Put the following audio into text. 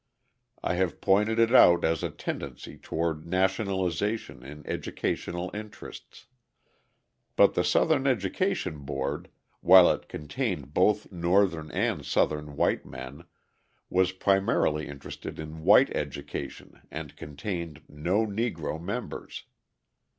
I have pointed it out as a tendency toward nationalisation in educational interests. But the Southern Education Board, while it contained both Northern and Southern white men, was primarily interested in white education and contained no Negro members.